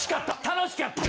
楽しかった。